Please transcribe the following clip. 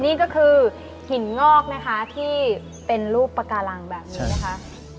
นี่ก็คือหินงอกนะคะที่เป็นรูปปากการังแบบนี้นะคะ